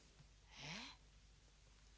えっ。